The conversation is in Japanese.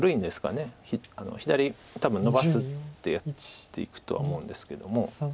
左多分のばすってやっていくとは思うんですけども。